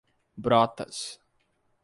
Brotas